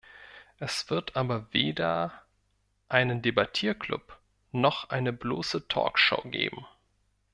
Es wird aber weder einen Debattierklub noch eine bloße "Talkshow" geben.